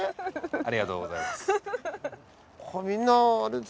ありがとうございます。